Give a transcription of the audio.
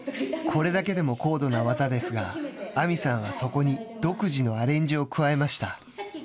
これだけでも高度な技ですが亜実さんは、そこに独自のアレンジを加えました。